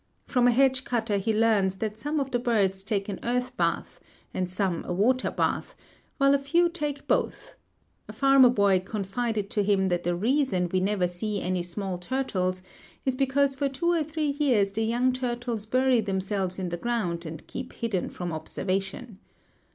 From a hedge cutter he learns that some of the birds take an earth bath and some a water bath, while a few take both; a farmer boy confided to him that the reason we never see any small turtles is because for two or three years the young turtles bury themselves in the ground and keep hidden from observation.